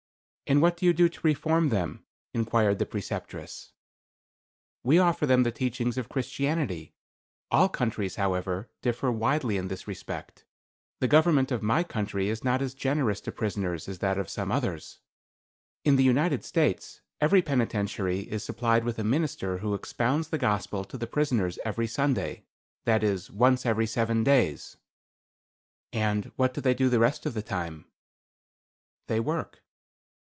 "And what do you do to reform them?" inquired the Preceptress. "We offer them the teachings of Christianity. All countries, however, differ widely in this respect. The government of my country is not as generous to prisoners as that of some others. In the United States every penitentiary is supplied with a minister who expounds the Gospel to the prisoners every Sunday; that is once every seven days." "And what do they do the rest of the time?" "They work."